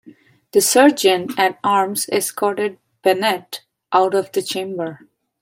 The Sergeant at Arms escorted Bennett out of the chamber.